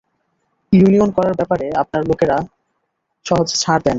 Union করার ব্যাপারে আপনার লোকেরা সহজে ছাড় দেয় না।